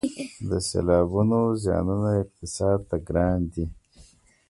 د سیلابونو زیانونه اقتصاد ته ګران دي